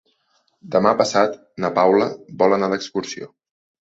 Demà passat na Paula vol anar d'excursió.